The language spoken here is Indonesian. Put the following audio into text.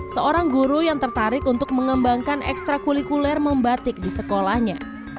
seorang guru yang tertarik untuk mengembangkan ekstra kulikuler membatik di sekolahnya